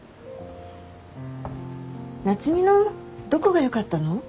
夏海のどこがよかったの？